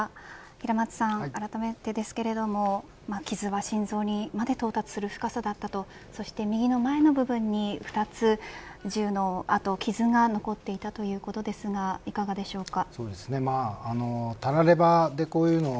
平松さん、あらためてですが傷は心臓にまで到達する深さだったとそして右の前の部分に２つ銃の傷が残っていたということですがいかがでしょうか。